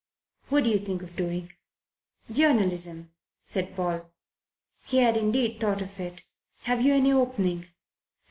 "What do you think of doing?" "Journalism," said Paul. He had indeed thought of it. "Have you any opening?"